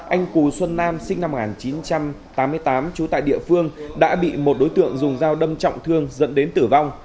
anh cù xuân nam sinh năm một nghìn chín trăm tám mươi tám trú tại địa phương đã bị một đối tượng dùng dao đâm trọng thương dẫn đến tử vong